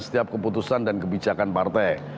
setiap keputusan dan kebijakan partai